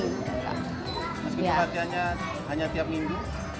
meskipun latihannya hanya tiap minggu